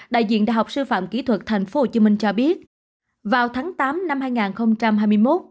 đại diện đại học sư phạm kỹ thuật tp hcm cho biết vào tháng tám năm hai nghìn hai mươi một